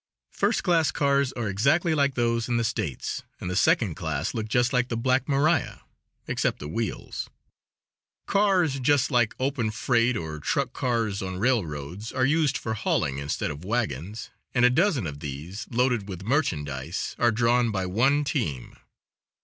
First class cars are exactly like those in the States, and the second class look just like the "Black Maria," except the wheels. Cars, just like open freight or truck cars on railroads, are used for hauling instead of wagons, and a dozen of these, loaded with merchandize, are drawn by one team.